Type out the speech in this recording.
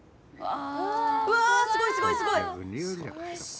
うわすごいすごいすごい。